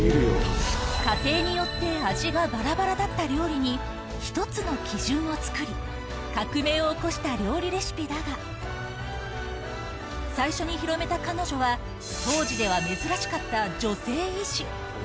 家庭によって味がばらばらだった料理に、一つの基準を作り、革命を起こした料理レシピだが、さいしょに広めた彼女は、当時では珍しかった女性医師。